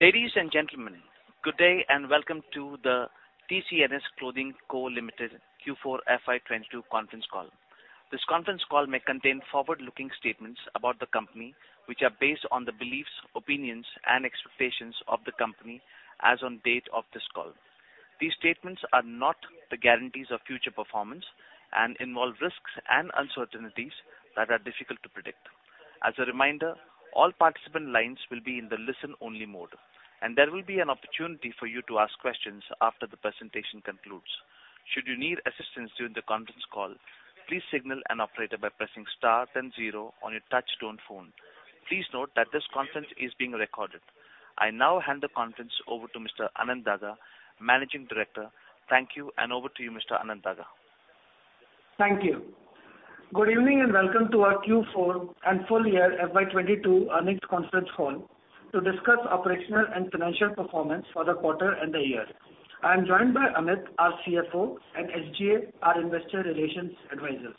Ladies and gentlemen, good day and welcome to the TCNS Clothing Co. Limited Q4 FY 2022 conference call. This conference call may contain forward-looking statements about the company, which are based on the beliefs, opinions and expectations of the company as on date of this call. These statements are not the guarantees of future performance and involve risks and uncertainties that are difficult to predict. As a reminder, all participant lines will be in the listen-only mode, and there will be an opportunity for you to ask questions after the presentation concludes. Should you need assistance during the conference call, please signal an operator by pressing star then zero on your touchtone phone. Please note that this conference is being recorded. I now hand the conference over to Mr. Anant Daga, Managing Director. Thank you and over to you, Mr. Anant Daga. Thank you. Good evening, and welcome to our Q4 and full year FY 2022 earnings conference call to discuss operational and financial performance for the quarter and the year. I am joined by Amit, our CFO, and SGA, our investor relations advisors.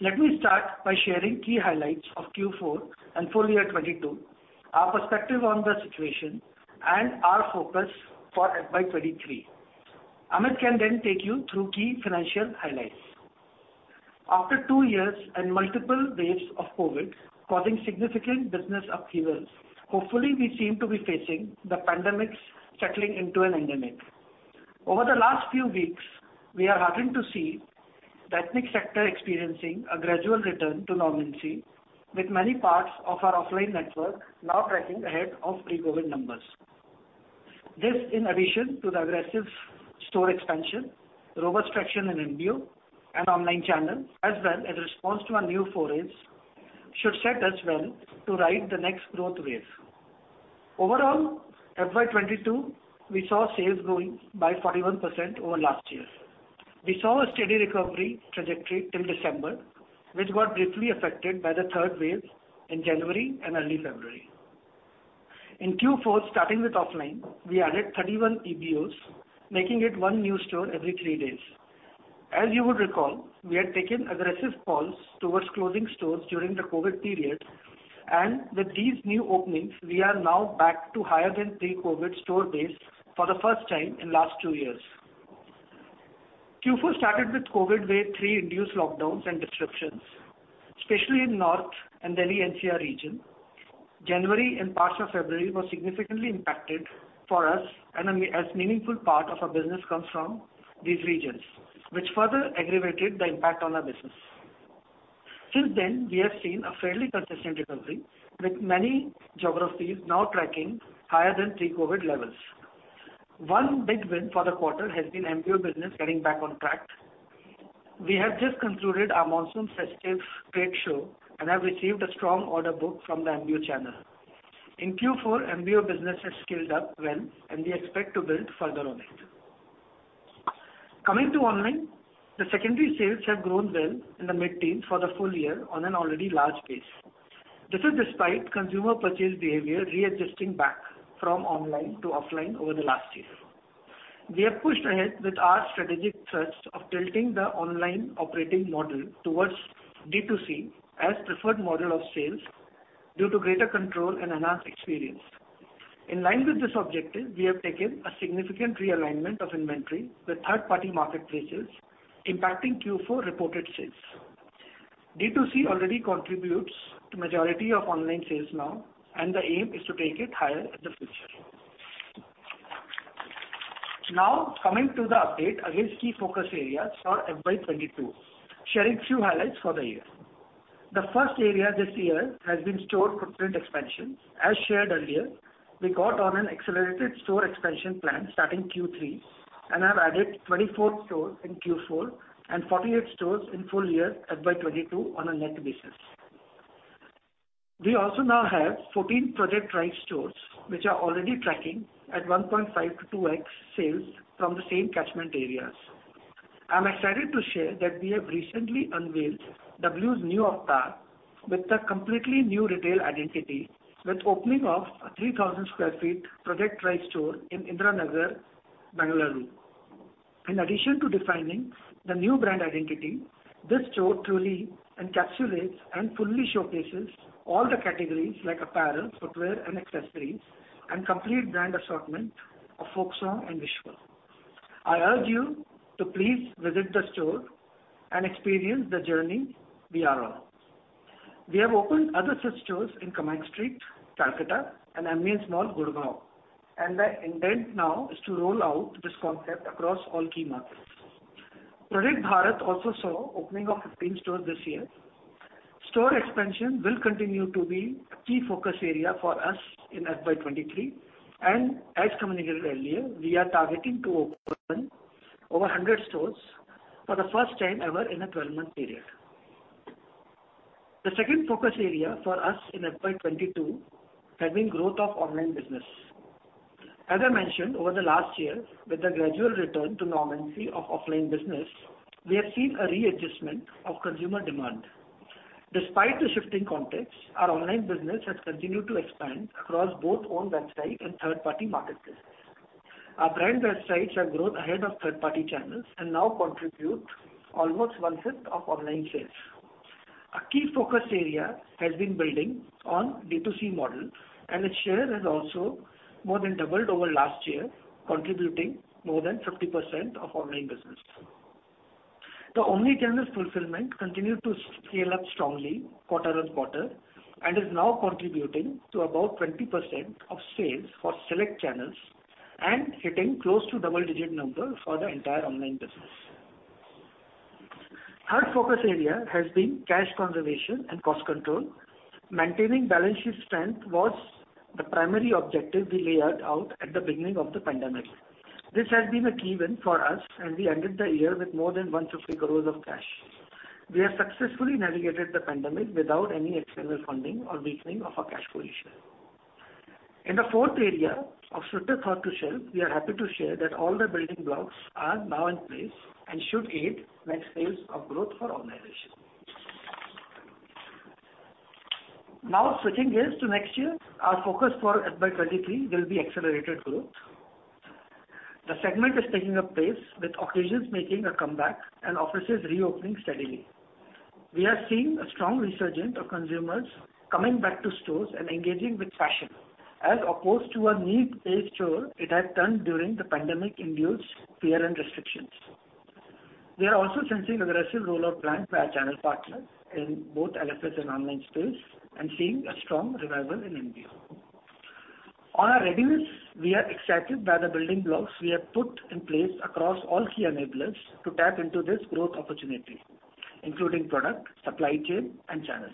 Let me start by sharing key highlights of Q4 and full year 2022, our perspective on the situation and our focus for FY 2023. Amit can then take you through key financial highlights. After two years and multiple waves of COVID causing significant business upheavals, hopefully we seem to be facing the pandemic settling into an endemic. Over the last few weeks, we are happy to see the ethnic sector experiencing a gradual return to normalcy, with many parts of our offline network now tracking ahead of pre-COVID numbers. This, in addition to the aggressive store expansion, robust traction in MBO and online channels, as well as response to our new forays, should set us well to ride the next growth wave. Overall, FY 2022, we saw sales growing by 41% over last year. We saw a steady recovery trajectory till December, which got briefly affected by the third wave in January and early February. In Q4, starting with offline, we added 31 MBOs, making it one new store every three days. As you would recall, we had taken aggressive calls towards closing stores during the COVID period, and with these new openings, we are now back to higher than pre-COVID store base for the first time in last two years. Q4 started with COVID wave three induced lockdowns and disruptions, especially in North and Delhi NCR region. January and parts of February were significantly impacted for us and a meaningful part of our business comes from these regions, which further aggravated the impact on our business. Since then, we have seen a fairly consistent recovery, with many geographies now tracking higher than pre-COVID levels. One big win for the quarter has been MBO business getting back on track. We have just concluded our monsoon festive trade show and have received a strong order book from the MBO channel. In Q4, MBO business has scaled up well, and we expect to build further on it. Coming to online, the secondary sales have grown well in the mid-teens% for the full year on an already large base. This is despite consumer purchase behavior readjusting back from online to offline over the last year. We have pushed ahead with our strategic thrust of tilting the online operating model towards D2C as preferred model of sales due to greater control and enhanced experience. In line with this objective, we have taken a significant realignment of inventory with third-party marketplaces impacting Q4 reported sales. D2C already contributes to majority of online sales now, and the aim is to take it higher in the future. Now, coming to the update against key focus areas for FY 2022, sharing few highlights for the year. The first area this year has been store footprint expansion. As shared earlier, we got on an accelerated store expansion plan starting Q3 and have added 24 stores in Q4 and 48 stores in full year FY 2022 on a net basis. We also now have 14 Project RISE stores, which are already tracking at 1.5x-2x sales from the same catchment areas. I'm excited to share that we have recently unveiled W's new avatar with a completely new retail identity, with opening of a 3,000 sq ft Project RISE store in Indira Nagar, Bengaluru. In addition to defining the new brand identity, this store truly encapsulates and fully showcases all the categories like apparel, footwear and accessories and complete brand assortment of Folksong and Wishful. I urge you to please visit the store and experience the journey we are on. We have opened other such stores in Camac Street, Calcutta and Ambience Mall, Gurgaon. The intent now is to roll out this concept across all key markets. Project Bharat also saw opening of 15 stores this year. Store expansion will continue to be a key focus area for us in FY 2023, and as communicated earlier, we are targeting to open over 100 stores for the first time ever in a 12-month period. The second focus area for us in FY 2022 had been growth of online business. As I mentioned, over the last year, with the gradual return to normalcy of offline business, we have seen a readjustment of consumer demand. Despite the shifting context, our online business has continued to expand across both own website and third-party marketplaces. Our brand websites have grown ahead of third-party channels and now contribute almost 1/5 of online sales. A key focus area has been building on D2C model, and its share has also more than doubled over last year, contributing more than 50% of online business. The omnichannel fulfillment continued to scale up strongly quarter-on-quarter, and is now contributing to about 20% of sales for select channels and hitting close to double-digit number for the entire online business. Third focus area has been cash conservation and cost control. Maintaining balance sheet strength was the primary objective we laid out at the beginning of the pandemic. This has been a key win for us, and we ended the year with more than 150 crores of cash. We have successfully navigated the pandemic without any external funding or weakening of our cash position. In the fourth area of speed to shelf, we are happy to share that all the building blocks are now in place and should aid next phase of growth for our organization. Now switching gears to next year, our focus for FY 2023 will be accelerated growth. The segment is picking up pace, with occasions making a comeback and offices reopening steadily. We are seeing a strong resurgence of consumers coming back to stores and engaging with fashion, as opposed to a need-based chore it had turned during the pandemic-induced fear and restrictions. We are also sensing aggressive roll out plans by our channel partners in both LFS and online space and seeing a strong revival in MBO. On our readiness, we are excited by the building blocks we have put in place across all key enablers to tap into this growth opportunity, including product, supply chain, and channel.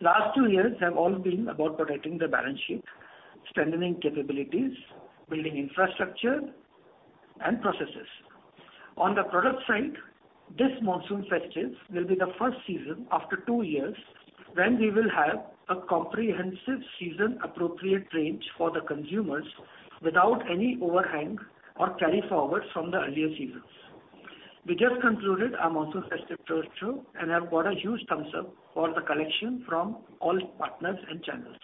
Last two years have all been about protecting the balance sheet, strengthening capabilities, building infrastructure and processes. On the product side, this monsoon festive will be the first season after two years when we will have a comprehensive season appropriate range for the consumers without any overhang or carry forward from the earlier seasons. We just concluded our monsoon festive store tour and have got a huge thumbs up for the collection from all partners and channels.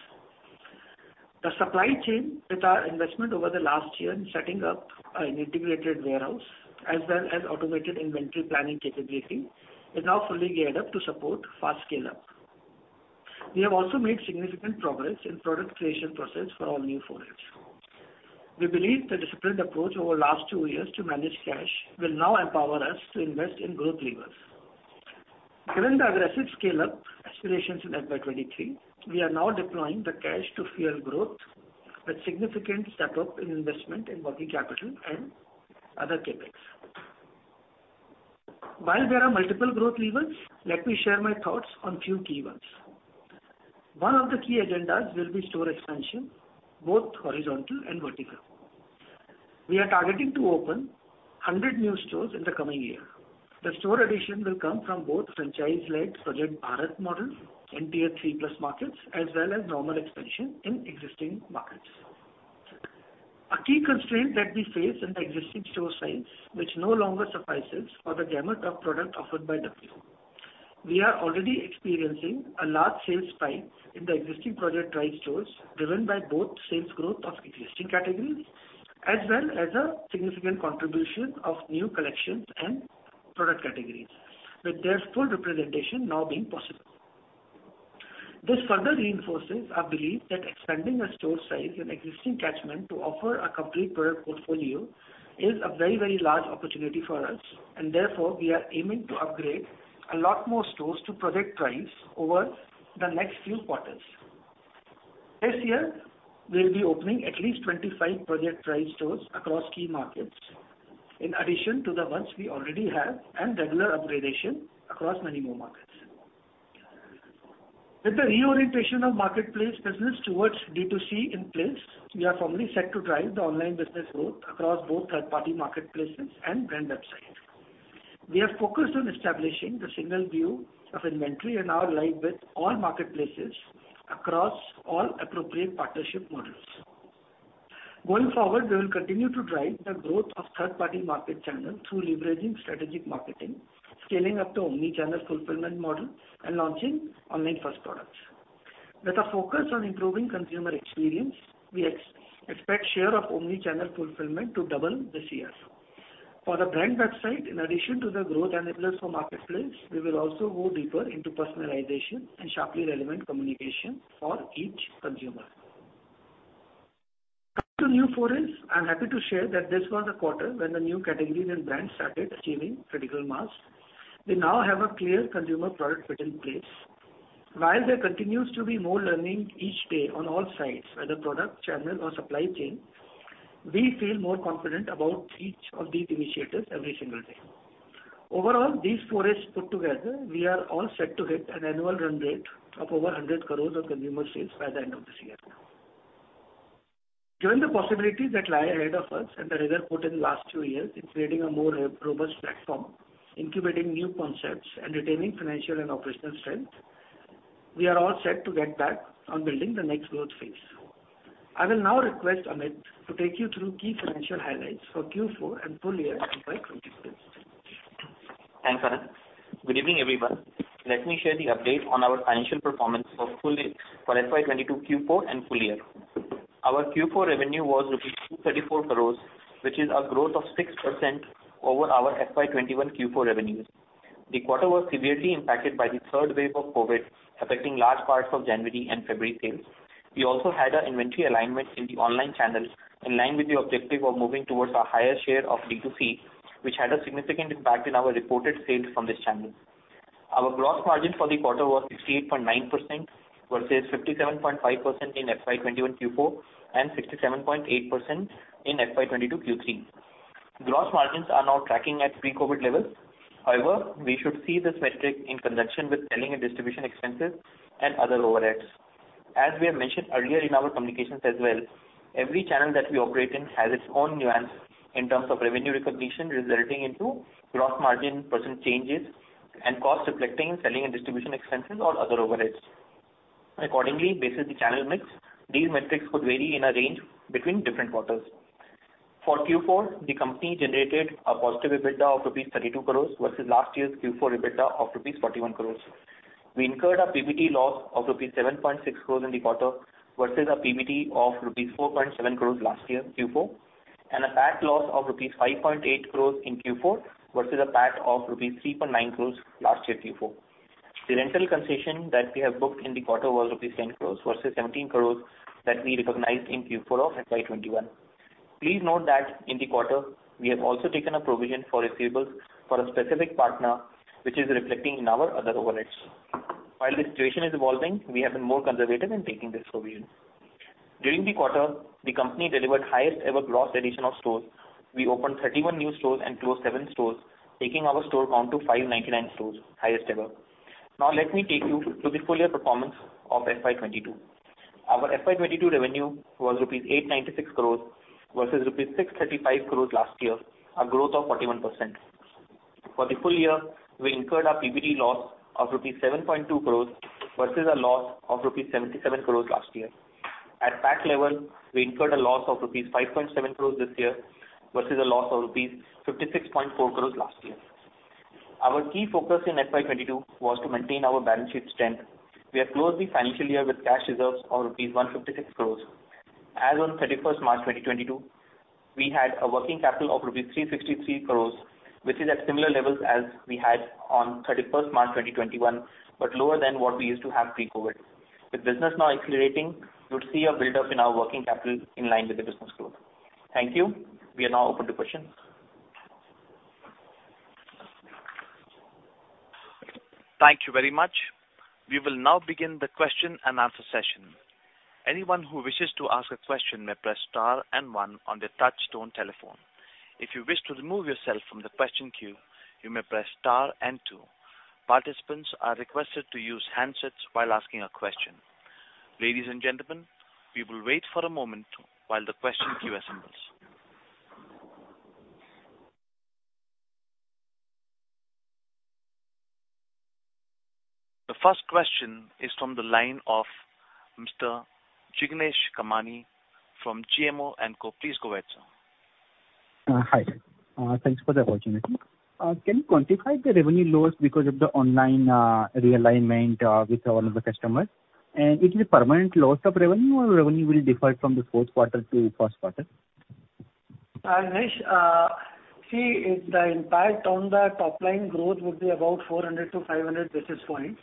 The supply chain with our investment over the last year in setting up an integrated warehouse as well as automated inventory planning capability, is now fully geared up to support fast scale up. We have also made significant progress in product creation process for our new forays. We believe the disciplined approach over last two years to manage cash will now empower us to invest in growth levers. Given the aggressive scale up aspirations in FY 2023, we are now deploying the cash to fuel growth with significant step up in investment in working capital and other CapEx. While there are multiple growth levers, let me share my thoughts on few key ones. One of the key agendas will be store expansion, both horizontal and vertical. We are targeting to open 100 new stores in the coming year. The store addition will come from both franchise-led Project Bharat model in tier 3+ markets, as well as normal expansion in existing markets. A key constraint that we face in the existing store size, which no longer suffices for the gamut of product offered by W. We are already experiencing a large sales spike in the existing Project Tribe stores, driven by both sales growth of existing categories, as well as a significant contribution of new collections and product categories, with their full representation now being possible. This further reinforces our belief that expanding a store size in existing catchment to offer a complete product portfolio is a very, very large opportunity for us, and therefore we are aiming to upgrade a lot more stores to Project Tribes over the next few quarters. This year, we'll be opening at least 25 Project Tribe stores across key markets, in addition to the ones we already have and regular upgradation across many more markets. With the reorientation of marketplace business towards D2C in place, we are firmly set to drive the online business growth across both third-party marketplaces and brand website. We have focused on establishing the single view of inventory and are live with all marketplaces across all appropriate partnership models. Going forward, we will continue to drive the growth of third-party marketplace channel through leveraging strategic marketing, scaling up to omnichannel fulfillment model, and launching online first products. With a focus on improving consumer experience, we expect share of omnichannel fulfillment to double this year. For the brand website, in addition to the growth enablers for marketplace, we will also go deeper into personalization and sharply relevant communication for each consumer. Coming to new forays, I'm happy to share that this was a quarter when the new categories and brands started achieving critical mass. We now have a clear consumer product fit in place. While there continues to be more learning each day on all sides, whether product, channel or supply chain, we feel more confident about each of these initiatives every single day. Overall, these forays put together, we are all set to hit an annual run rate of over 100 crores of consumer sales by the end of this year. Given the possibilities that lie ahead of us and the reserve put in last two years in creating a more robust platform, incubating new concepts and retaining financial and operational strength, we are all set to get back on building the next growth phase. I will now request Amit to take you through key financial highlights for Q4 and full year FY 2023. Thanks, Anant. Good evening, everyone. Let me share the update on our financial performance for FY 2022 Q4 and full year. Our Q4 revenue was rupees 234 crores, which is a growth of 6% over our FY 2021 Q4 revenues. The quarter was severely impacted by the third wave of COVID, affecting large parts of January and February sales. We also had our inventory alignment in the online channels, in line with the objective of moving towards a higher share of D2C, which had a significant impact in our reported sales from this channel. Our gross margin for the quarter was 68.9% versus 57.5% in FY 2021 Q4, and 67.8% in FY 2022 Q3. Gross margins are now tracking at pre-COVID levels. However, we should see this metric in conjunction with selling and distribution expenses and other overheads. As we have mentioned earlier in our communications as well, every channel that we operate in has its own nuance in terms of revenue recognition, resulting into gross margin % changes and costs reflecting in selling and distribution expenses or other overheads. Accordingly, basis the channel mix, these metrics could vary in a range between different quarters. For Q4, the company generated a positive EBITDA of rupees 32 crore versus last year's Q4 EBITDA of rupees 41 crore. We incurred a PBT loss of rupees 7.6 crore in the quarter versus a PBT of rupees 4.7 crore last year Q4, and a PAT loss of rupees 5.8 crore in Q4 versus a PAT of rupees 3.9 crore last year Q4. The rental concession that we have booked in the quarter was rupees 10 crores versus 17 crores that we recognized in Q4 of FY 2021. Please note that in the quarter, we have also taken a provision for receivables for a specific partner, which is reflecting in our other overheads. While the situation is evolving, we have been more conservative in taking this provision. During the quarter, the company delivered highest ever gross addition of stores. We opened 31 new stores and closed seven stores, taking our store count to 599 stores, highest ever. Now let me take you to the full year performance of FY 2022. Our FY 2022 revenue was 896 crores versus 635 crores rupees last year, a growth of 41%. For the full year, we incurred a PBT loss of rupees 7.2 crores versus a loss of rupees 77 crores last year. At PAT level, we incurred a loss of rupees 5.7 crores this year versus a loss of rupees 56.4 crores last year. Our key focus in FY 2022 was to maintain our balance sheet strength. We have closed the financial year with cash reserves of rupees 156 crores. As on thirty-first March 2022, we had a working capital of rupees 363 crores, which is at similar levels as we had on thirty-first March 2021, but lower than what we used to have pre-COVID. With business now accelerating, you would see a buildup in our working capital in line with the business growth. Thank you. We are now open to questions. Thank you very much. We will now begin the question and answer session. Anyone who wishes to ask a question may press star and one on their touchtone telephone. If you wish to remove yourself from the question queue, you may press star and two. Participants are requested to use handsets while asking a question. Ladies and gentlemen, we will wait for a moment while the question queue assembles. The first question is from the line of Mr. Jignesh Kamani from GMO & Co. Please go ahead, sir. Hi. Thanks for the opportunity. Can you quantify the revenue loss because of the online realignment with all of the customers? Is it a permanent loss of revenue or revenue will differ from the fourth quarter to first quarter? Jignesh, see, the impact on the top line growth would be about 400-500 basis points.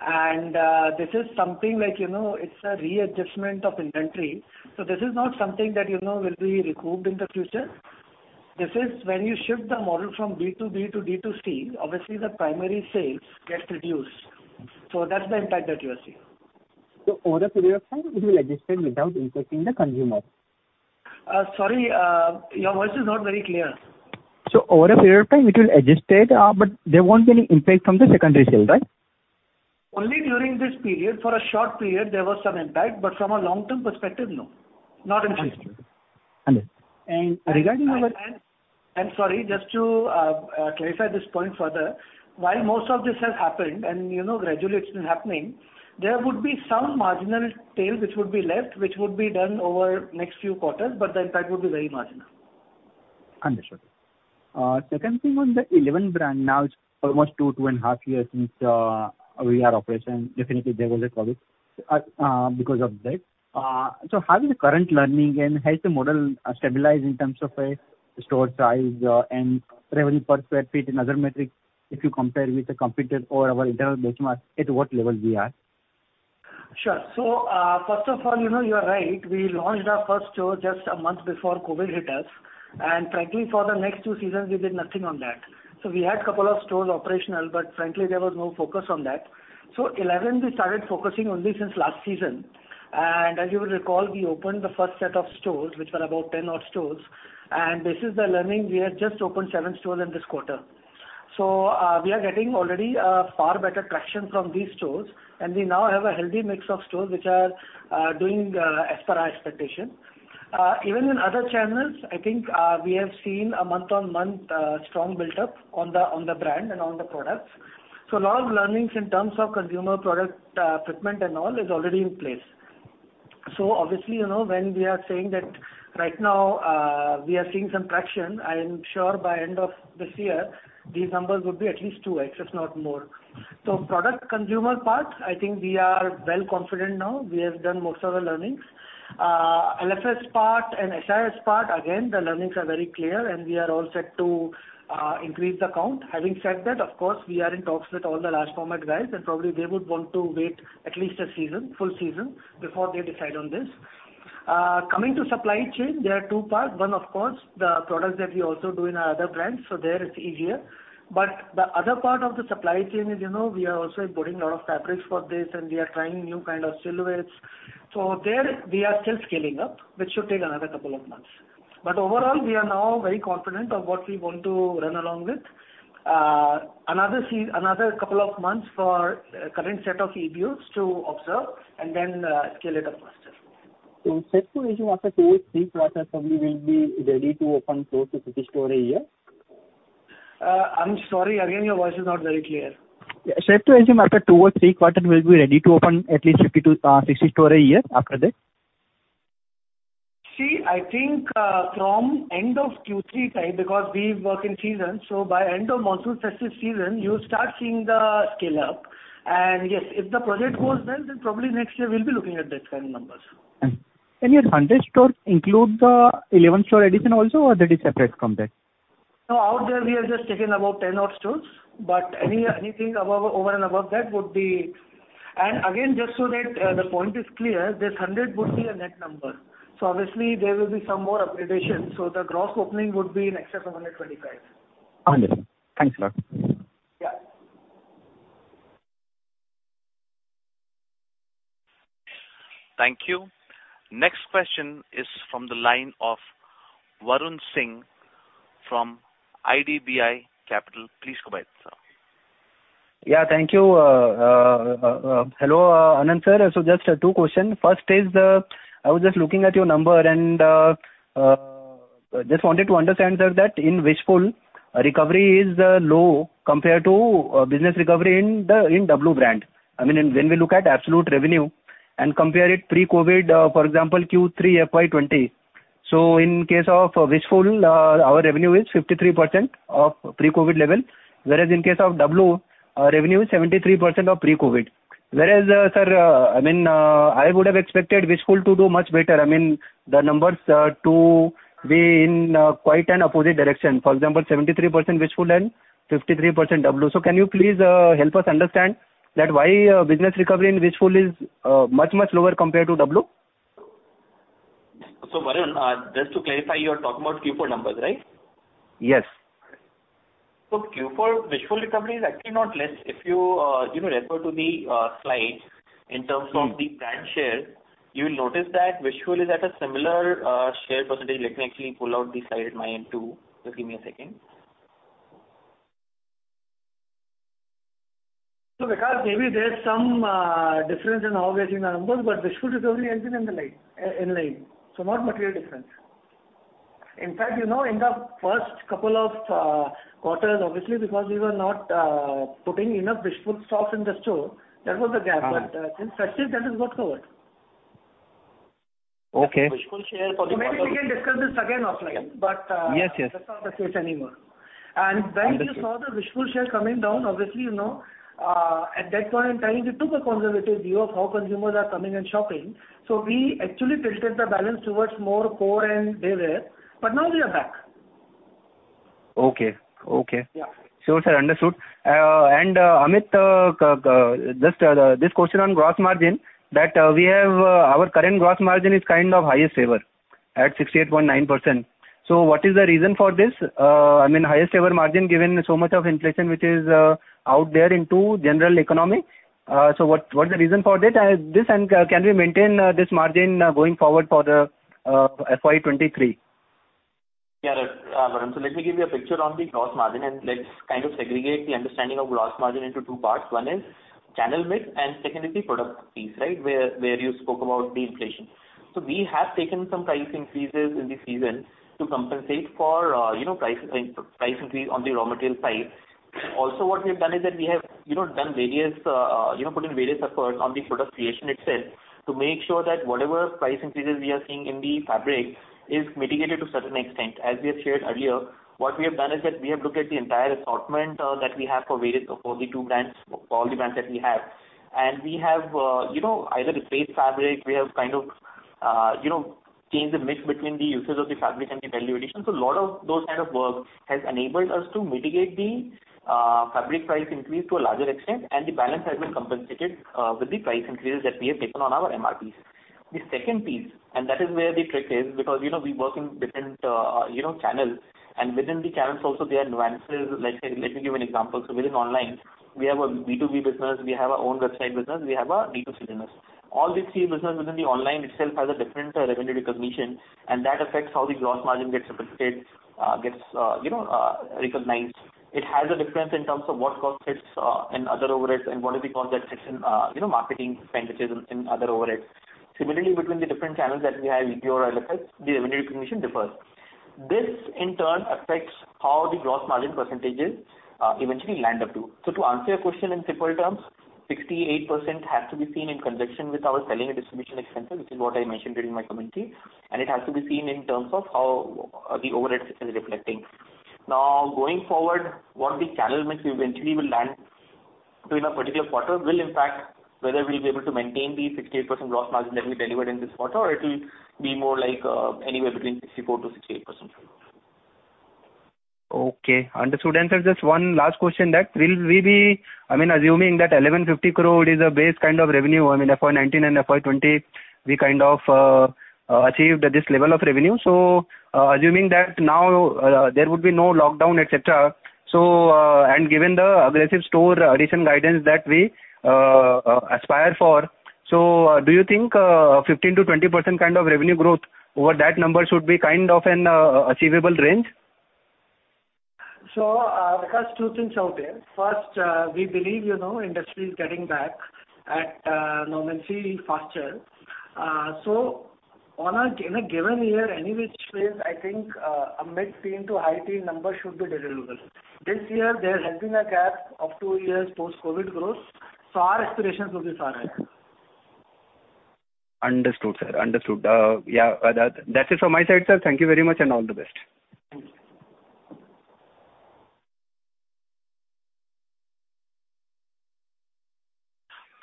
This is something like, you know, it's a readjustment of inventory, so this is not something that, you know, will be recouped in the future. This is when you shift the model from B2B to D2C, obviously the primary sales get reduced. That's the impact that you are seeing. Over a period of time it will adjust without impacting the consumer? Sorry, your voice is not very clear. Over a period of time it will adjust state, but there won't be any impact from the secondary sale, right? Only during this period. For a short period, there was some impact, but from a long-term perspective, no. Not impacted. Understood. Sorry, just to clarify this point further, while most of this has happened and, you know, gradually it's been happening, there would be some marginal sales which would be left, which would be done over next few quarters, but the impact would be very marginal. Understood. Second thing on the Elleven brand, now it's almost 2.5 years since we are operation. Definitely there was a COVID because of that. How is the current learning and has the model stabilized in terms of store size and revenue per square feet and other metrics, if you compare with the competitor or our internal benchmark, at what level we are? Sure. First of all, you know, you are right. We launched our first store just a month before COVID hit us, and frankly, for the next two seasons we did nothing on that. We had couple of stores operational, but frankly there was no focus on that. Elleven, we started focusing only since last season. As you would recall, we opened the first set of stores, which were about 10 odd stores, and this is the learning, we have just opened seven stores in this quarter. We are getting already far better traction from these stores, and we now have a healthy mix of stores which are doing as per our expectation. Even in other channels, I think, we have seen a month-on-month strong buildup on the brand and on the products. A lot of learnings in terms of consumer product, fitment and all is already in place. Obviously, you know, when we are saying that right now, we are seeing some traction, I am sure by end of this year, these numbers would be at least 2x, if not more. Product consumer part, I think we are well confident now. We have done most of the learnings. LFS part and SIS part, again, the learnings are very clear, and we are all set to increase the count. Having said that, of course, we are in talks with all the large format guys, and probably they would want to wait at least a season, full season before they decide on this. Coming to supply chain, there are two parts. One, of course, the products that we also do in our other brands, so there it's easier. The other part of the supply chain is, you know, we are also importing a lot of fabrics for this, and we are trying new kind of silhouettes. There we are still scaling up, which should take another couple of months. Overall, we are now very confident of what we want to run along with. Another couple of months for current set of EBOs to observe and then scale it up faster. Safe to assume after two or three quarters, probably we'll be ready to open 4-50 stores a year? I'm sorry. Again, your voice is not very clear. Yeah. Safe to assume after two or three quarters we'll be ready to open at least 50-60 stores a year after that? See, I think, from end of Q3 time, because we work in seasons, so by end of monsoon festive season, you'll start seeing the scale up. Yes, if the project goes well, then probably next year we'll be looking at that kind of numbers. Can your 100 stores include the 11 store addition also, or that is separate from that? No. Out there we have just taken about 10 odd stores. Anything above, over and above that would be. Again, just so that the point is clear, this 100 would be a net number. Obviously there will be some more upgradation, so the gross opening would be in excess of 125. 100. Thanks a lot. Yeah. Thank you. Next question is from the line of Varun Singh from IDBI Capital. Please go ahead, sir. Yeah. Thank you. Hello, Anant, sir. Just two questions. First, I was just looking at your numbers and just wanted to understand, sir, that in Wishful, recovery is low compared to business recovery in the W brand. I mean, when we look at absolute revenue and compare it pre-COVID, for example, Q3 FY 2020. In case of Wishful, our revenue is 53% of pre-COVID level, whereas in case of W, revenue is 73% of pre-COVID. Whereas, sir, I mean, I would have expected Wishful to do much better. I mean, the numbers are to be in quite an opposite direction. For example, 73% Wishful and 53% W. Can you please help us understand that why business recovery in Wishful is much lower compared to W? Varun, just to clarify, you're talking about Q4 numbers, right? Yes. Q4 Wishful recovery is actually not less. If you know, refer to the slides in terms of the brand share, you'll notice that Wishful is at a similar share percentage. Let me actually pull out the slide at my end too. Just give me a second. Vikas, maybe there's some difference in how we are seeing the numbers, but Wishful is only entering in line, so not material difference. In fact, you know, in the first couple of quarters, obviously, because we were not putting enough Wishful stocks in the store, there was a gap. Since festive, that has got covered. Okay. Wishful share for the quarter. Maybe we can discuss this again offline, but. Yes, yes. That's not the case anymore. Understood. When we saw the Wishful share coming down, obviously, you know, at that point in time, we took a conservative view of how consumers are coming and shopping. We actually tilted the balance towards more core and day wear, but now we are back. Okay. Okay. Yeah. Sure, sir. Understood. Amit, just this question on gross margin that we have our current gross margin is kind of highest ever, at 68.9%. What is the reason for this? I mean, highest ever margin given so much of inflation which is out there in the general economy. What's the reason for this? This and can we maintain this margin going forward for the FY 2023? Varun, let me give you a picture on the gross margin, and let's kind of segregate the understanding of gross margin into two parts. One is channel mix and second is the product piece, right? Where you spoke about the inflation. We have taken some price increases in the season to compensate for price increase on the raw material side. Also what we've done is that we have done various put in various efforts on the product creation itself to make sure that whatever price increases we are seeing in the fabric is mitigated to certain extent. As we have shared earlier, what we have done is that we have looked at the entire assortment that we have for all the brands that we have. We have, you know, either replaced fabric, we have kind of, you know, changed the mix between the uses of the fabric and the value addition. A lot of those kind of work has enabled us to mitigate the fabric price increase to a larger extent, and the balance has been compensated with the price increases that we have taken on our MRPs. The second piece, and that is where the trick is, because, you know, we work in different, you know, channels, and within the channels also there are nuances. Let's say, let me give you an example. Within online, we have a B2B business, we have our own website business, we have our B2C business. All these three business within the online itself has a different revenue recognition, and that affects how the gross margin gets recognized. It has a difference in terms of what cost sits in other overheads and what is the cost that sits in you know, marketing expenditures and other overheads. Similarly, between the different channels that we have, EBO or LFS, the revenue recognition differs. This in turn affects how the gross margin percentages eventually land up to. To answer your question in simple terms, 68% has to be seen in conjunction with our selling and distribution expenses, which is what I mentioned during my commentary, and it has to be seen in terms of how the overheads is reflecting. Now, going forward, what the channel mix eventually will land to in a particular quarter will impact whether we'll be able to maintain the 68% gross margin that we delivered in this quarter, or it'll be more like, anywhere between 64%-68%. Okay. Understood, Anant. Just one last question that will we be I mean, assuming that 1,150 crore is a base kind of revenue, I mean, FY 2019 and FY 2020, we kind of achieved this level of revenue. Assuming that now there would be no lockdown, et cetera, and given the aggressive store addition guidance that we aspire for, do you think 15%-20% kind of revenue growth over that number should be kind of an achievable range? Vikas, two things out there. First, we believe, you know, industry is getting back to normalcy faster. In a given year, any which way, I think, a mid-teens to high-teens% number should be deliverable. This year, there has been a gap of two years post-COVID growth, so our expectations will be higher. Understood, sir. Understood. Yeah, that's it from my side, sir. Thank you very much, and all the best.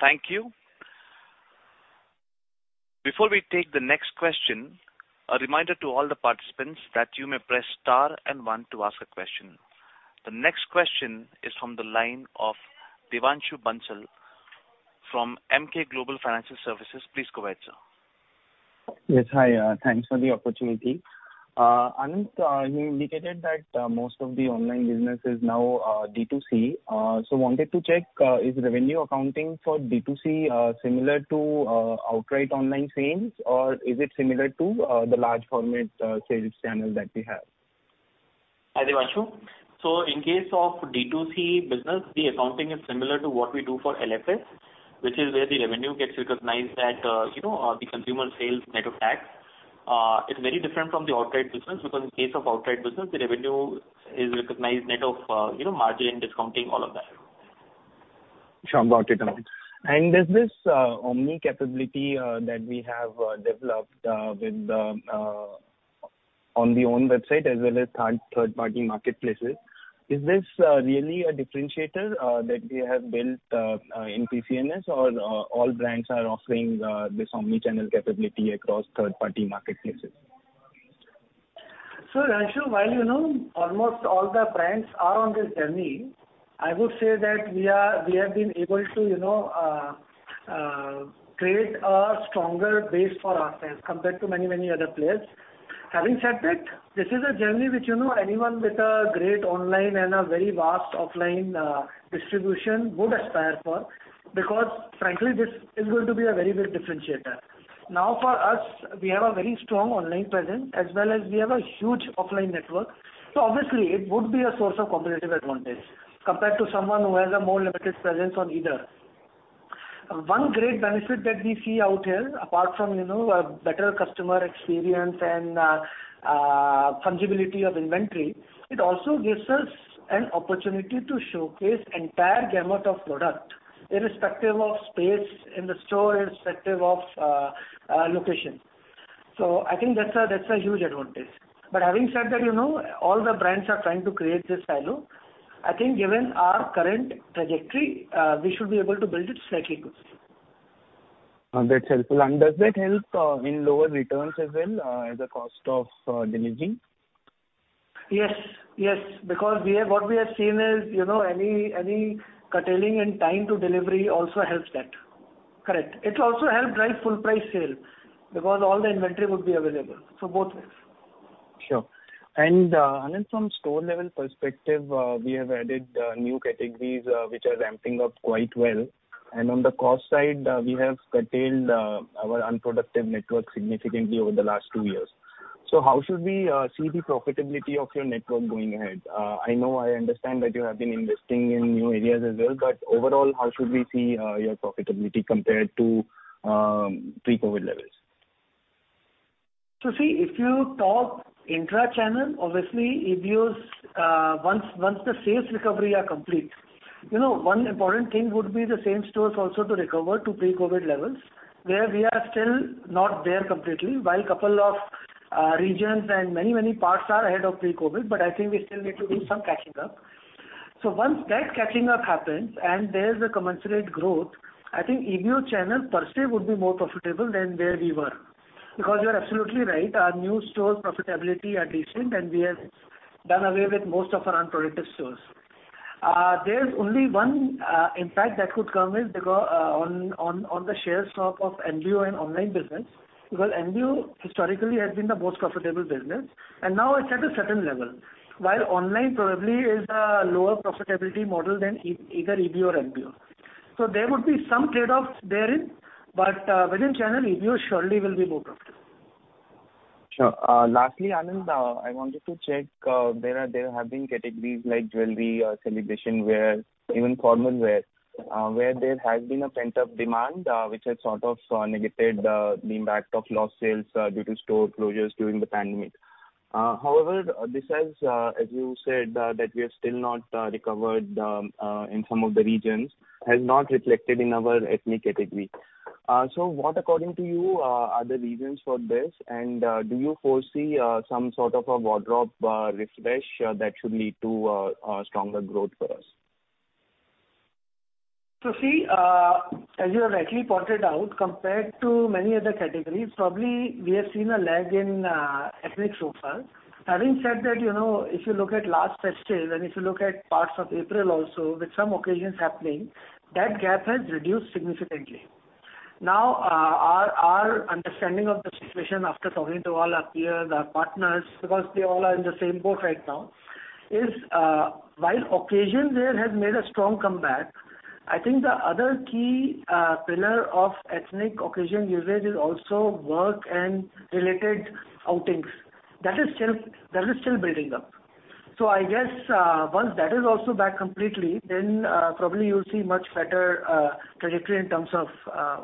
Thank you. Thank you. Before we take the next question, a reminder to all the participants that you may press star and one to ask a question. The next question is from the line of Devanshu Bansal from Emkay Global Financial Services. Please go ahead, sir. Yes. Hi. Thanks for the opportunity. Anant, you indicated that most of the online business is now D2C. Wanted to check, is revenue accounting for D2C similar to outright online sales, or is it similar to the large format sales channel that we have? Hi, Devanshu. In case of D2C business, the accounting is similar to what we do for LFS, which is where the revenue gets recognized at, you know, the consumer sales net of tax. It's very different from the outright business, because in case of outright business, the revenue is recognized net of, you know, margin, discounting, all of that. Sure. Got it, Anant. Is this omni capability that we have developed on our own website as well as third-party marketplaces really a differentiator that we have built in TCNS or all brands are offering this omni-channel capability across third-party marketplaces? Devanshu, while, you know, almost all the brands are on this journey, I would say that we are, we have been able to, you know, create a stronger base for ourselves compared to many other players. Having said that, this is a journey which, you know, anyone with a great online and a very vast offline distribution would aspire for, because frankly, this is going to be a very big differentiator. Now, for us, we have a very strong online presence as well as we have a huge offline network. Obviously it would be a source of competitive advantage compared to someone who has a more limited presence on either. One great benefit that we see out here, apart from, you know, a better customer experience and fungibility of inventory, it also gives us an opportunity to showcase entire gamut of product, irrespective of space in the store, irrespective of location. So I think that's a huge advantage. Having said that, you know, all the brands are trying to create this silo. I think given our current trajectory, we should be able to build it slightly good. That's helpful. Does that help in lower returns as well, as a cost of delivering? Yes, yes, because we have, what we have seen is, you know, any curtailing in time to delivery also helps that. Correct. It'll also help drive full price sale because all the inventory would be available. Both ways. Sure. Anant, from store level perspective, we have added new categories which are ramping up quite well. On the cost side, we have curtailed our unproductive network significantly over the last two years. How should we see the profitability of your network going ahead? I know, I understand that you have been investing in new areas as well, but overall, how should we see your profitability compared to pre-COVID levels? See, if you talk intra channel, obviously EBOs, once the sales recovery are complete, you know, one important thing would be the same stores also to recover to pre-COVID levels, where we are still not there completely, while couple of regions and many parts are ahead of pre-COVID, but I think we still need to do some catching up. Once that catching up happens and there's a commensurate growth, I think EBO channel per se would be more profitable than where we were. Because you're absolutely right, our new stores profitability are decent, and we have done away with most of our unproductive stores. There's only one impact that could come in on the share swap of MBO and online business, because MBO historically has been the most profitable business, and now it's at a certain level. While online probably is a lower profitability model than either EBO or MBO. There would be some trade-offs therein, but within channel, EBO surely will be more profitable. Sure. Lastly, Anant, I wanted to check, there have been categories like jewelry, celebration wear, even formal wear, where there has been a pent-up demand, which has sort of negated the impact of lost sales due to store closures during the pandemic. However, this has, as you said, that we are still not recovered in some of the regions, has not reflected in our ethnic category. What according to you are the reasons for this? Do you foresee some sort of a wardrobe refresh that should lead to stronger growth for us? See, as you have rightly pointed out, compared to many other categories, probably we have seen a lag in ethnic so far. Having said that, you know, if you look at last festive, and if you look at parts of April also, with some occasions happening, that gap has reduced significantly. Now, our understanding of the situation after talking to all our peers, our partners, because they all are in the same boat right now, is while occasion wear has made a strong comeback. I think the other key pillar of ethnic occasion usage is also work and related outings. That is still building up. I guess, once that is also back completely, then, probably you'll see much better trajectory in terms of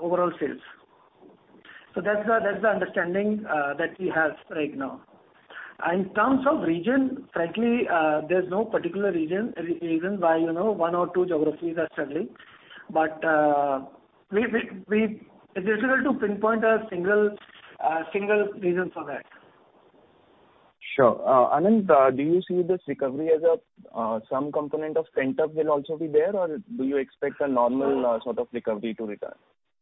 overall sales. That's the understanding that we have right now. In terms of region, frankly, there's no particular reason why, you know, one or two geographies are struggling. It's difficult to pinpoint a single reason for that. Sure. Anant, do you see this recovery as some component of pent-up demand will also be there? Or do you expect a normal sort of recovery to return?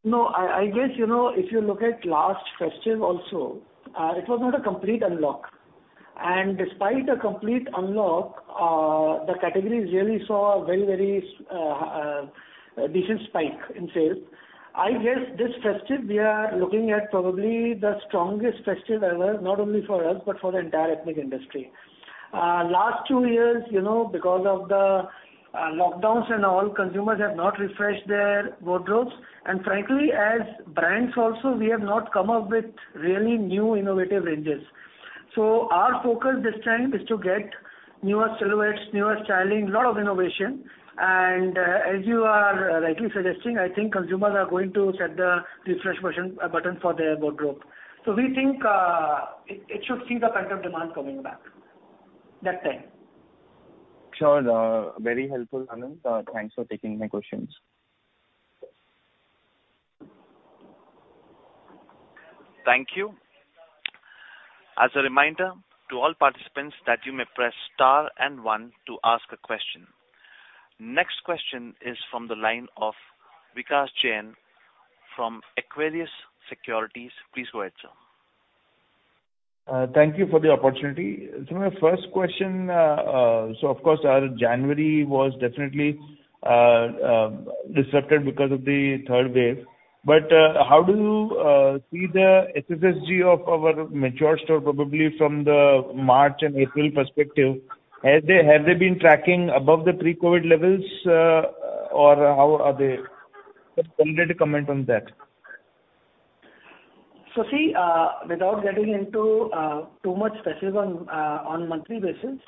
No, I guess, you know, if you look at last festive also, it was not a complete unlock. Despite a complete unlock, the categories really saw a very decent spike in sales. I guess this festive we are looking at probably the strongest festive ever, not only for us, but for the entire ethnic industry. Last two years, you know, because of the lockdowns and all, consumers have not refreshed their wardrobes. Frankly, as brands also we have not come up with really new innovative ranges. Our focus this time is to get newer silhouettes, newer styling, lot of innovation. As you are rightly suggesting, I think consumers are going to set the refresh version button for their wardrobe. We think it should see the pent-up demand coming back that time. Sure. Very helpful, Anant. Thanks for taking my questions. Thank you. As a reminder to all participants that you may press star and one to ask a question. Next question is from the line of Vikas Jain from Equirus Securities. Please go ahead, sir. Thank you for the opportunity. My first question, of course our January was definitely disrupted because of the third wave. How do you see the SSSG of our mature store probably from the March and April perspective? Have they been tracking above the pre-COVID levels, or how are they? Just wanted a comment on that. See, without getting into too much specifics on monthly basis,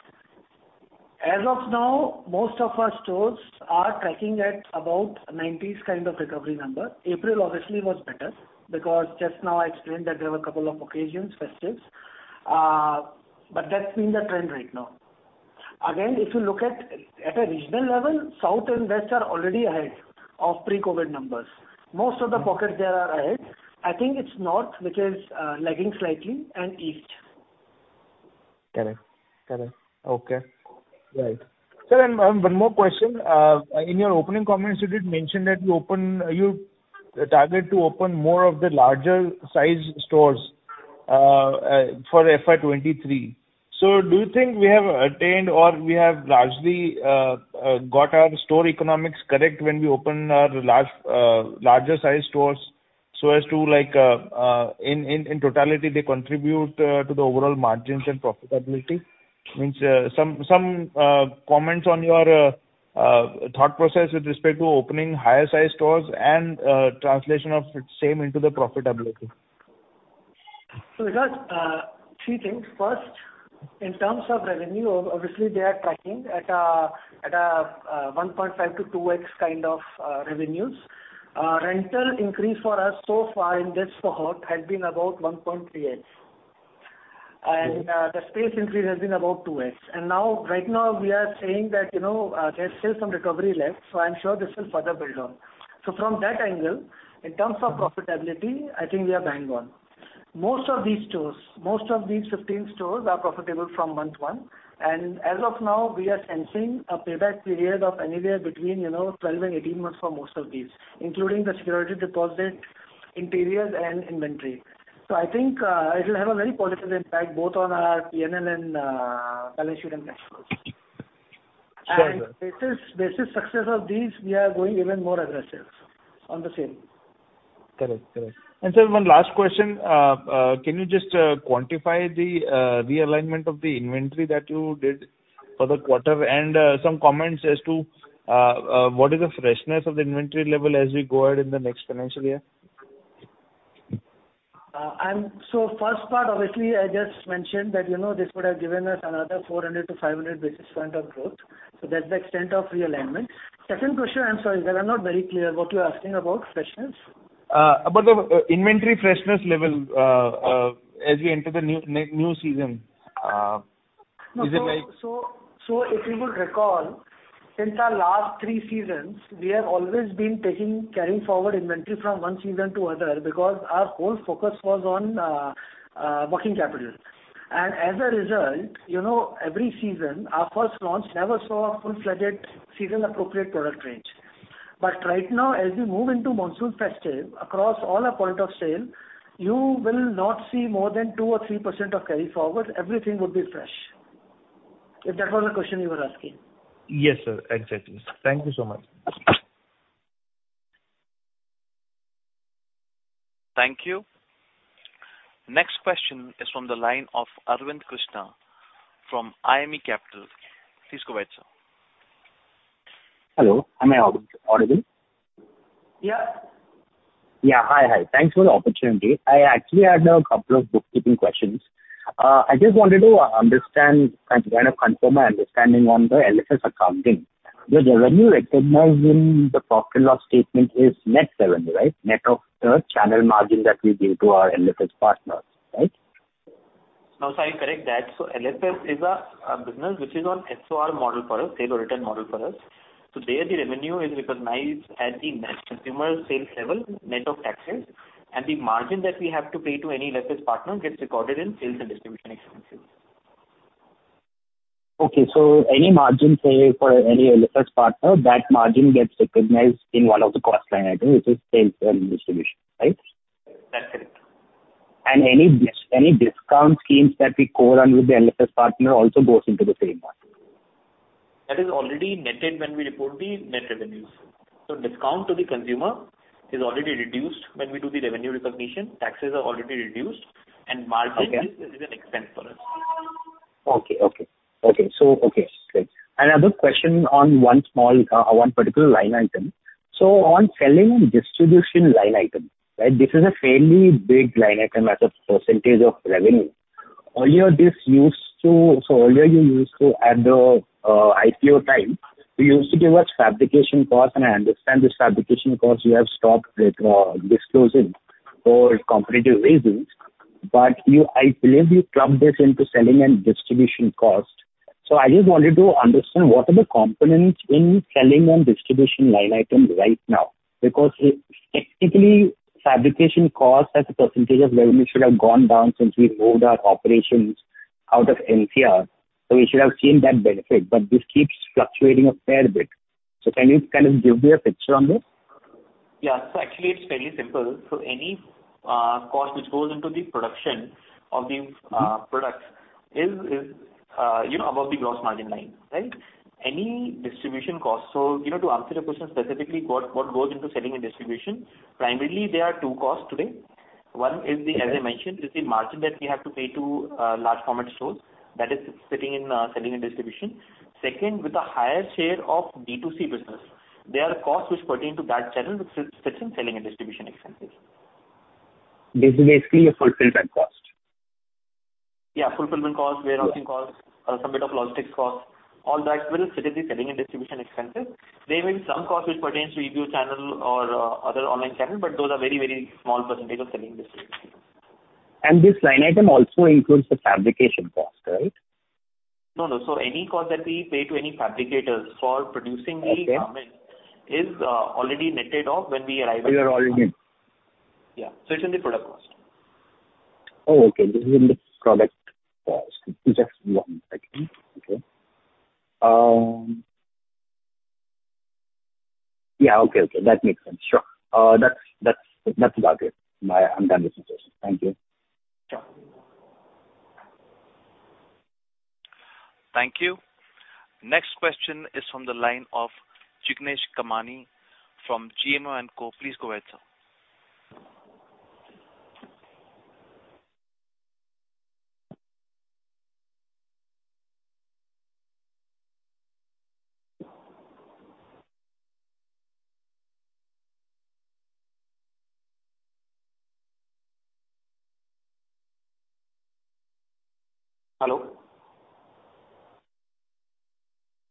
as of now, most of our stores are tracking at about 90s kind of recovery number. April obviously was better because just now I explained that there were a couple of occasions, festives. But that's been the trend right now. Again, if you look at a regional level, South and West are already ahead of pre-COVID numbers. Most of the pockets there are ahead. I think it's North, which is lagging slightly, and East. Correct. Okay. Right. Sir, one more question. In your opening comments, you did mention that you target to open more of the larger size stores for FY 2023. Do you think we have attained or we have largely got our store economics correct when we open our larger size stores so as to like in totality they contribute to the overall margins and profitability? I mean, some comments on your thought process with respect to opening higher size stores and translation of same into the profitability. Vikas, three things. First, in terms of revenue, obviously they are tracking at a 1.5x-2x kind of revenues. Rental increase for us so far in this cohort has been about 1.3x. Okay. The space increase has been about 2x. Now right now we are saying that, you know, there's still some recovery left, so I'm sure this will further build on. From that angle, in terms of profitability, I think we are bang on. Most of these 15 stores are profitable from month one, and as of now, we are sensing a payback period of anywhere between, you know, 12-18 months for most of these, including the security deposit, interiors and inventory. I think, it'll have a very positive impact both on our PNL and balance sheet and cash flows. Sure. Basis success of these, we are going even more aggressive on the same. Correct. Sir, one last question. Can you just quantify the realignment of the inventory that you did for the quarter? Some comments as to what is the freshness of the inventory level as we go ahead in the next financial year? First part, obviously, I just mentioned that, you know, this would have given us another 400-500 basis points of growth. That's the extent of realignment. Second question, I'm sorry, sir, I'm not very clear what you're asking about freshness. About the inventory freshness level, as we enter the new season, is it like? If you would recall, since our last three seasons, we have always been taking carrying forward inventory from one season to other because our whole focus was on working capital. As a result, you know, every season our first launch never saw a full-fledged season appropriate product range. Right now, as we move into monsoon festive across all our point of sale, you will not see more than 2% or 3% of carry forward. Everything would be fresh. If that was the question you were asking. Yes, sir. Exactly. Thank you so much. Thank you. Next question is from the line of [Arvind Gushta] from IME Capital. Please go ahead, sir. Hello. Am I audible? Yeah. Yeah. Hi. Hi. Thanks for the opportunity. I actually had a couple of bookkeeping questions. I just wanted to understand and kind of confirm my understanding on the LFS accounting, because the revenue recognized in the profit and loss statement is net revenue, right? Net of the channel margin that we give to our LFS partners, right? No, sorry. Correct that. LFS is a business which is on SOR model for us, sale or return model for us. There the revenue is recognized at the net consumer sales level, net of taxes, and the margin that we have to pay to any LFS partner gets recorded in sales and distribution expenses. Okay. Any margin, say, for any LFS partner, that margin gets recognized in one of the cost line item which is sales and distribution, right? That's it. Any discount schemes that we co-run with the LFS partner also goes into the same part. That is already netted when we report the net revenues. Discount to the consumer is already reduced when we do the revenue recognition. Taxes are already reduced, and margin- Okay. is an expense for us. Okay, great. Another question on one small, one particular line item. On selling and distribution line item, right? This is a fairly big line item as a percentage of revenue. Earlier, at the IPO time, you used to give us fabrication cost, and I understand this fabrication cost you have stopped it disclosing for competitive reasons. I believe you lumped this into selling and distribution costs. I just wanted to understand what are the components in selling and distribution line item right now, because it, technically, fabrication cost as a percentage of revenue should have gone down since we moved our operations out of NCR. We should have seen that benefit. This keeps fluctuating a fair bit. Can you kind of give me a picture on this? Yeah. Actually it's fairly simple. Any cost which goes into the production of the, Products is, you know, above the gross margin line, right? Any distribution cost. You know, to answer your question specifically, what goes into selling and distribution, primarily there are two costs today. One is the- Okay. As I mentioned, is the margin that we have to pay to large format stores that is sitting in selling and distribution. Second, with a higher share of D2C business, there are costs which pertain to that channel which sits in selling and distribution expenses. This is basically a fulfillment cost. Yeah, fulfillment cost, warehousing cost. Okay. Some bit of logistics cost, all that will sit in the selling and distribution expenses. There will be some cost which pertains to EBO channel or other online channel, but those are very, very small percentage of selling and distribution. This line item also includes the fabrication cost, right? No, no. Any cost that we pay to any fabricators for producing the garment. Okay. Is already netted off when we arrive at. These are all in. Yeah. It's in the product cost. Oh, okay. This is in the product cost. Just one second. Okay. Yeah. Okay, that makes sense. Sure. That's about it. I'm done with the questions. Thank you. Sure. Thank you. Next question is from the line of Jignesh Kamani from GMO & Co. Please go ahead, sir. Hello?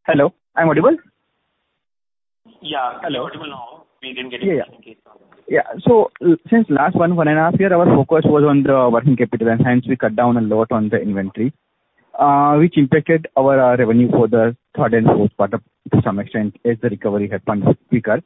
Hello, am I audible? Yeah. Hello. You're audible now. We didn't get it earlier. Yeah. Since last 1.5 year, our focus was on the working capital and hence we cut down a lot on the inventory, which impacted our revenue for the third and fourth quarter to some extent as the recovery had been weaker.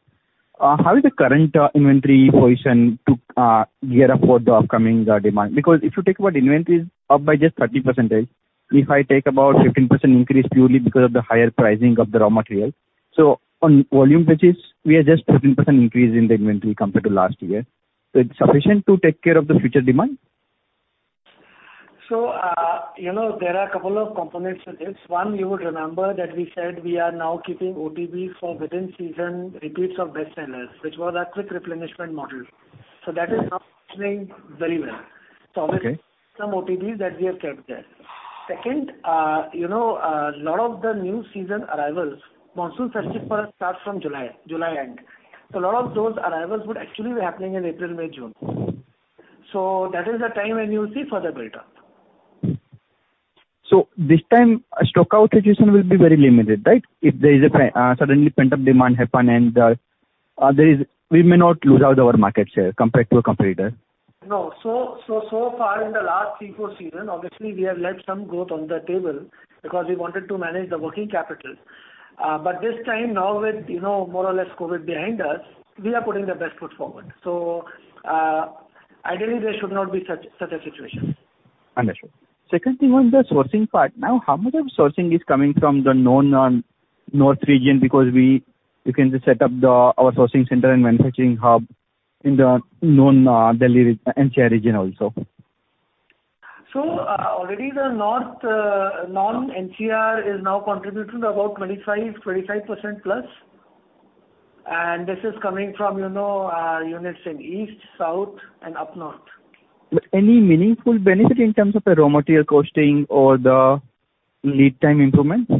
How is the current inventory position to gear up for the upcoming demand? Because if you think about inventories up by just 30%, if I take about 15% increase purely because of the higher pricing of the raw material. On volume purchase, we are just 13% increase in the inventory compared to last year. It's sufficient to take care of the future demand? you know, there are a couple of components to this. One, you would remember that we said we are now keeping OTB for within season repeats of best sellers, which was our quick replenishment model. that is now functioning very well. Okay. Obviously some OTBs that we have kept there. Second, you know, a lot of the new season arrivals, monsoon festive for us starts from July end. A lot of those arrivals would actually be happening in April, May, June. That is the time when you'll see further build up. This time a stock out situation will be very limited, right? If there is suddenly pent-up demand happen, we may not lose out on our market share compared to a competitor. No. So far in the last three, four season, obviously we have left some growth on the table because we wanted to manage the working capital. This time now with, you know, more or less COVID behind us, we are putting the best foot forward. Ideally there should not be such a situation. Understood. Second thing on the sourcing part. Now, how much of sourcing is coming from the known north region because we began to set up our sourcing center and manufacturing hub in the known Delhi NCR region also. already the north, non-NCR is now contributing about 25%+. This is coming from, you know, units in east, south and up north. Any meaningful benefit in terms of the raw material costing or the lead time improvements?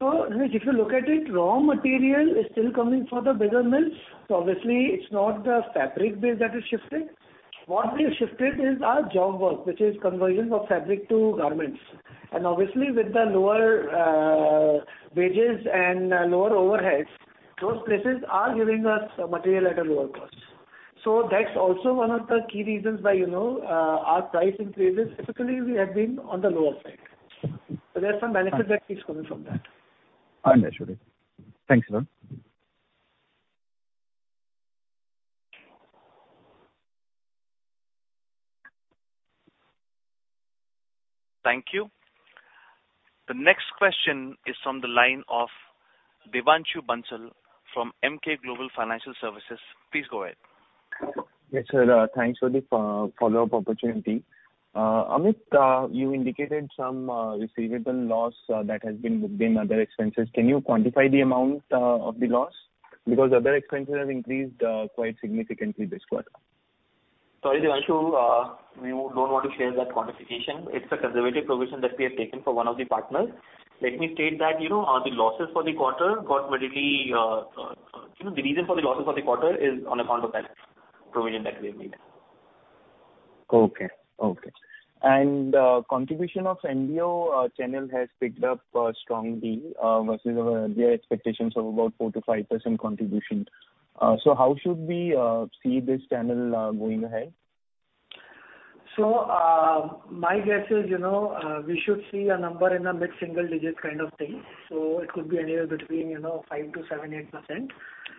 If you look at it, raw material is still coming for the bigger mills. Obviously it's not the fabric base that is shifted. What we have shifted is our job work, which is conversion of fabric to garments. Obviously with the lower wages and lower overheads, those places are giving us material at a lower cost. That's also one of the key reasons why, you know, our price increases, typically we have been on the lower side. There are some benefits that is coming from that. Understood. Thanks, Anant. Thank you. The next question is from the line of Devanshu Bansal from Emkay Global Financial Services. Please go ahead. Yes, sir. Thanks for the follow-up opportunity. Amit, you indicated some receivable loss that has been booked in other expenses. Can you quantify the amount of the loss? Because other expenses have increased quite significantly this quarter. Sorry, Devanshu. We don't want to share that quantification. It's a conservative provision that we have taken for one of the partners. Let me state that, you know, the reason for the losses for the quarter is on account of that provision that we have made. Okay. Contribution of MBO channel has picked up strongly versus our year expectations of about 4%-5% contribution. How should we see this channel going ahead? My guess is, you know, we should see a number in a mid-single digit kind of thing, so it could be anywhere between, you know, 5%-8%.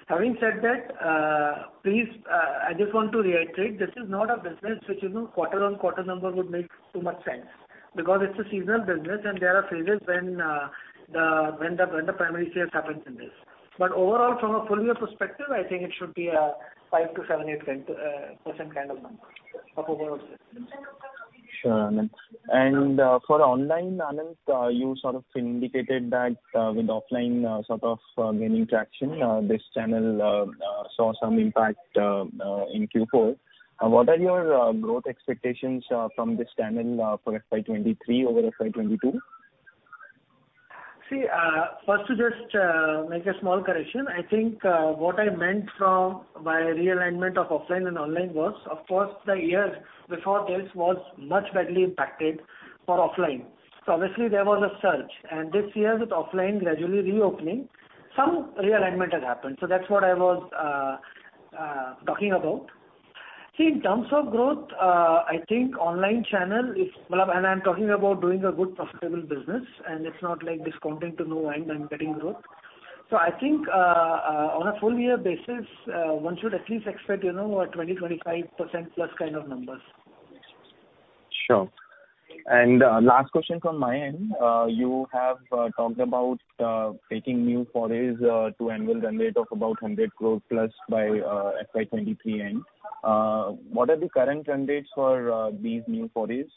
Having said that, please, I just want to reiterate, this is not a business which, you know, quarter-over-quarter number would make too much sense because it is a seasonal business and there are phases when the primary sales happens in this. Overall from a full year perspective, I think it should be a 5%-8% kind of number of overall sales. Sure, Anant. For online, Anant, you sort of indicated that with offline sort of gaining traction, this channel saw some impact in Q4. What are your growth expectations from this channel for FY 23 over FY 22? See, first to just make a small correction. I think what I meant by realignment of offline and online was, of course, the year before this was much badly impacted for offline. Obviously there was a surge, and this year with offline gradually reopening, some realignment has happened. That's what I was talking about. See, in terms of growth, I think online channel is. Well, and I'm talking about doing a good profitable business, and it's not like discounting to no end and getting growth. I think on a full year basis one should at least expect, you know, a 20%-25%+ kind of numbers. Sure. Last question from my end. You have talked about taking new forays to annual run rate of about 100+ crores by FY 2023 end. What are the current run rates for these new forays?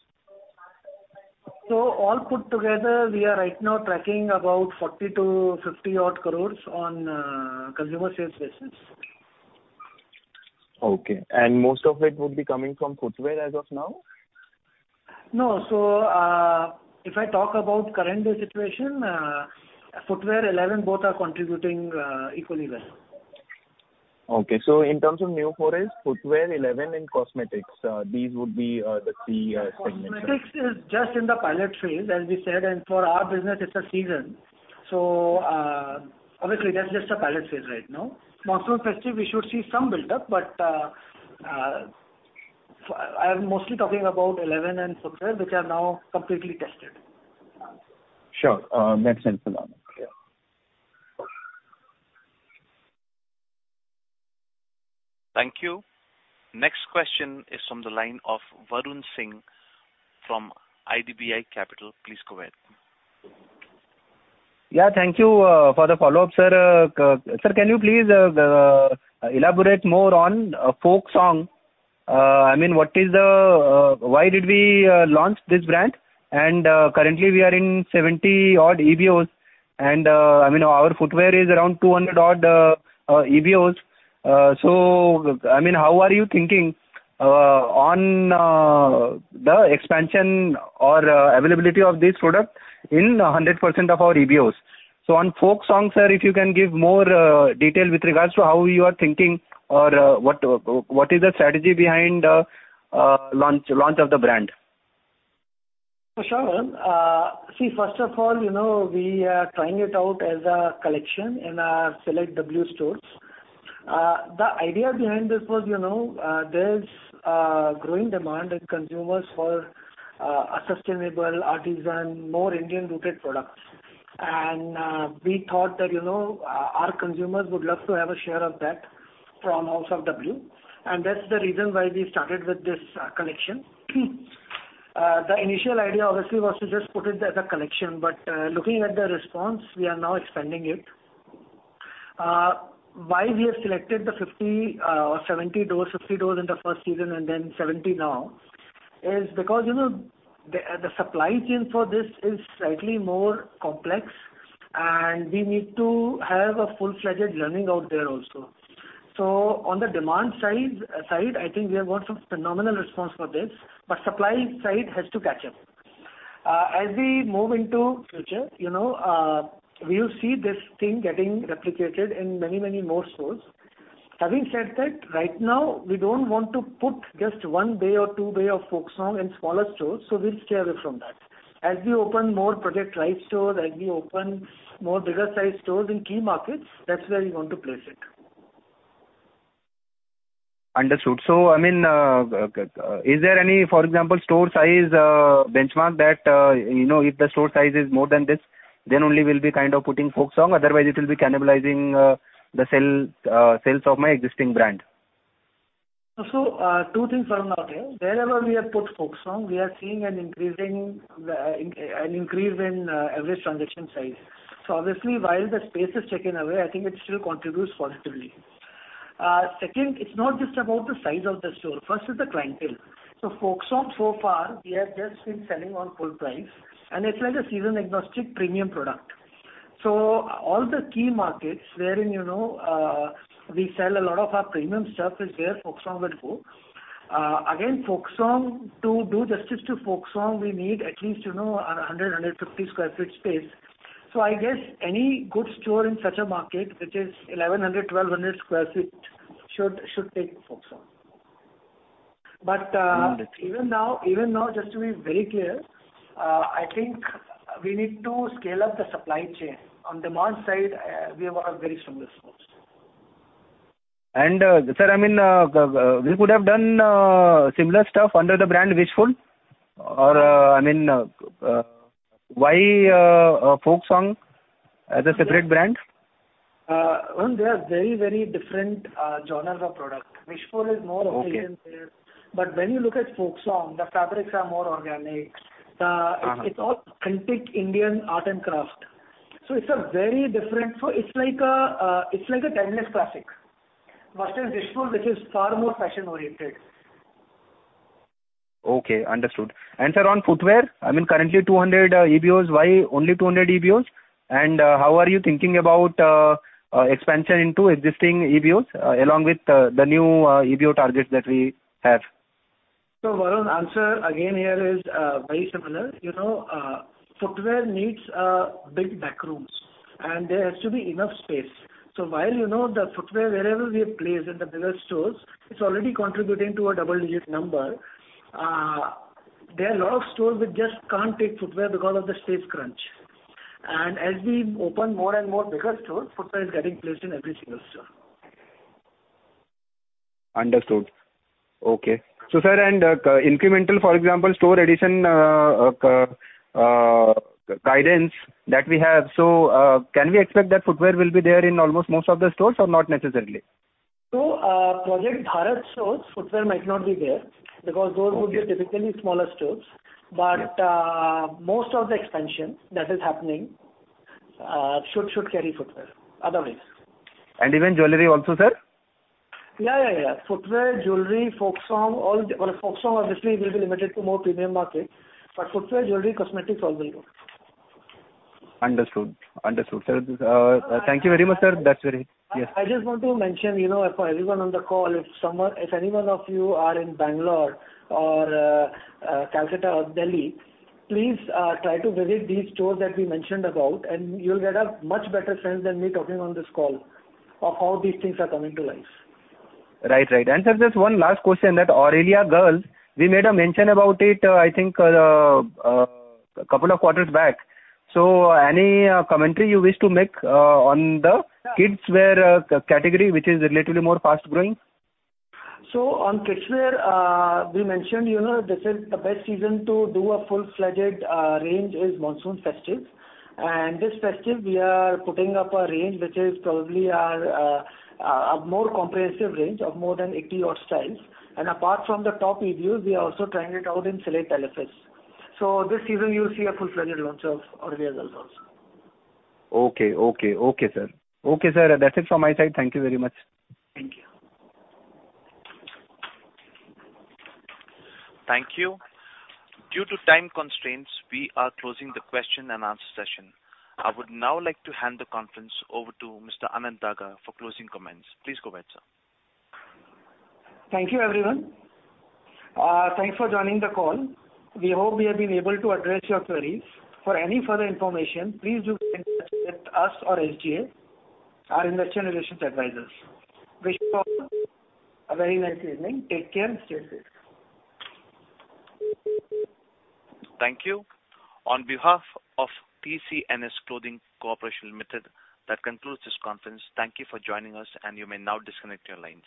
All put together, we are right now tracking about 40-50 odd crores on consumer sales basis. Okay. Most of it would be coming from footwear as of now? No. If I talk about current day situation, footwear, Elleven, both are contributing equally well. Okay. In terms of new forays, footwear, Elleven, and cosmetics, these would be the key segments. Cosmetics is just in the pilot phase, as we said. For our business, it's a season. Obviously that's just a pilot phase right now. Monsoon festive, we should see some build up, but I am mostly talking about Elleven and footwear, which are now completely tested. Sure. Makes sense, Anant. Yeah. Thank you. Next question is from the line of Varun Singh from IDBI Capital. Please go ahead. Yeah, thank you for the follow-up, sir. Sir, can you please elaborate more on Folksong? I mean, why did we launch this brand? Currently we are in 70-odd EBOs, and I mean, our footwear is around 200-odd EBOs. I mean, how are you thinking on the expansion or availability of this product in 100% of our EBOs? On Folksong, sir, if you can give more detail with regards to how you are thinking or what is the strategy behind launch of the brand? Sure, Varun. See, first of all, you know, we are trying it out as a collection in our select W stores. The idea behind this was, you know, there's a growing demand in consumers for a sustainable artisan, more Indian rooted products. We thought that, you know, our consumers would love to have a share of that from House of W. That's the reason why we started with this collection. The initial idea obviously was to just put it as a collection, but looking at the response, we are now expanding it. Why we have selected the 50 or 70 doors, 50 doors in the first season and then 70 now is because, you know, the supply chain for this is slightly more complex, and we need to have a full-fledged learning out there also. On the demand side, I think we have got some phenomenal response for this, but supply side has to catch up. As we move into future, you know, we'll see this thing getting replicated in many more stores. Having said that, right now we don't want to put just one bay or two bay of Folksong in smaller stores, so we'll stay away from that. As we open more Project Life stores, as we open more bigger sized stores in key markets, that's where we want to place it. Understood. I mean, is there any, for example, store size, benchmark that, you know, if the store size is more than this, then only we'll be kind of putting Folksong? Otherwise it will be cannibalizing, the sale, sales of my existing brand. Two things are out there. Wherever we have put Folksong, we are seeing an increase in average transaction size. Obviously, while the space is taken away, I think it still contributes positively. Second, it's not just about the size of the store. First is the clientele. Folksong so far we have just been selling on full price, and it's like a season agnostic premium product. All the key markets wherein, you know, we sell a lot of our premium stuff is where Folksong will go. Again, Folksong, to do justice to Folksong, we need at least, you know, 150 sq ft space. I guess any good store in such a market, which is 1,100-1,200 sq ft should take Folksong. even now, just to be very clear, I think we need to scale up the supply chain. On demand side, we have a very similar sourcing. Sir, I mean, we could have done similar stuff under the brand Wishful or, I mean, why Folksong as a separate brand? Varun, they are very, very different genres of product. Wishful is more Okay. Occidental. When you look at Folksong, the fabrics are more organic. It's all antique Indian art and craft. It's a very different. It's like a timeless classic versus Wishful, which is far more fashion oriented. Okay, understood. Sir, on footwear, I mean, currently 200 EBOs. Why only 200 EBOs? How are you thinking about expansion into existing EBOs along with the new EBO targets that we have? Varun, answer again here is very similar. You know, footwear needs big back rooms and there has to be enough space. While you know the footwear, wherever we have placed in the bigger stores, it's already contributing to a double digit number. There are a lot of stores which just can't take footwear because of the space crunch. As we open more and more bigger stores, footwear is getting placed in every single store. Understood. Okay. Sir, on incremental, for example, store addition guidance that we have. Can we expect that footwear will be there in almost most of the stores or not necessarily? Project Bharat stores, footwear might not be there because those would be typically smaller stores. Most of the expansion that is happening should carry footwear. Otherwise Even jewelry also, sir? Yeah. Footwear, jewelry, Folksong, all. Well, Folksong obviously will be limited to more premium market, but footwear, jewelry, cosmetics, all very good. Understood, sir. Thank you very much, sir. Yes. I just want to mention, you know, for everyone on the call, if someone, if any one of you are in Bangalore or, Calcutta or Delhi, please, try to visit these stores that we mentioned about and you'll get a much better sense than me talking on this call of how these things are coming to life. Right. Sir, just one last question, that Aurelia Girls, we made a mention about it, I think, couple of quarters back. Any commentary you wish to make on the kidswear category, which is relatively more fast growing? On kidswear, we mentioned, you know, this is the best season to do a full-fledged range is monsoon festive. This festive we are putting up a range which is probably a more comprehensive range of more than 80-odd styles. Apart from the top EBOs, we are also trying it out in select LFS. This season you'll see a full-fledged launch of Aurelia Girls also. Okay, sir, that's it from my side. Thank you very much. Thank you. Thank you. Due to time constraints, we are closing the question and answer session. I would now like to hand the conference over to Mr. Anant Daga for closing comments. Please go ahead, sir. Thank you everyone. Thanks for joining the call. We hope we have been able to address your queries. For any further information, please do get in touch with us or SGA, our investor relations advisors. Wish you all a very nice evening. Take care and stay safe. Thank you. On behalf of TCNS Clothing Co. Limited, that concludes this conference. Thank you for joining us and you may now disconnect your lines.